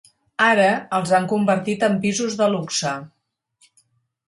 Ara els han convertit en pisos de luxe.